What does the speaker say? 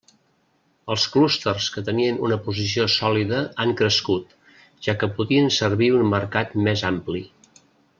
Els clústers que tenien una posició sòlida han crescut, ja que podien servir un mercat més ampli.